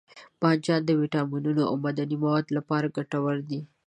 بانجان د ویټامینونو او معدني موادو لپاره ګټور دی.